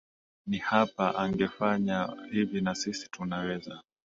hii hapa angefanya hivi nasisi tunaweza